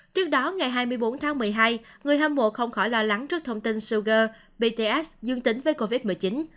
trước đó ngày hai mươi bốn tháng một mươi hai người hâm mộ không khỏi lo lắng trước thông tin showger bts dương tính với covid một mươi chín